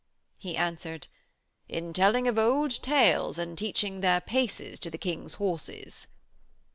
He answered: 'In telling of old tales and teaching their paces to the King's horses.'